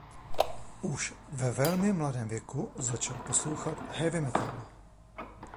Už ve velmi mladém věku začal poslouchat heavy metal.